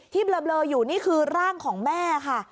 เบลออยู่นี่คือร่างของแม่ค่ะ